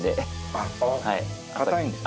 あっ硬いんですね。